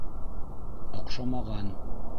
Оҡшамаған!